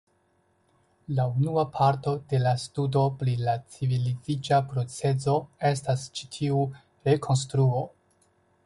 La unua parto de la studo pri la civiliziĝa procezo estas ĉi tiu rekonstruo.